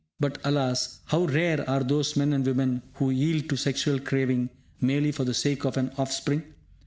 But, alas, how rare are those men and women who yield to the sexual craving merely for the sake of an offspring!